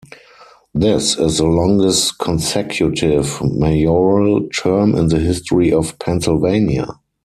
This is the longest consecutive Mayoral term in the history of Pennsylvania.